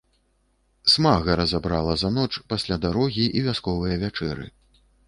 Смага разабрала за ноч, пасля дарогі і вясковае вячэры.